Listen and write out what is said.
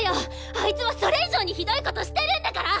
あいつはそれ以上にひどいことしてるんだから！